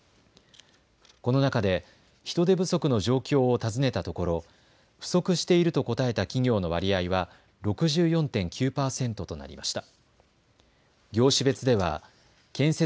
この中で人手不足の状況を尋ねたところ、不足していると答えた企業の割合は６４．９％となりました。